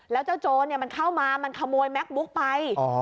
แล้วเจ้าโจรมันเข้ามามันขโมยแม็กบุ๊กไป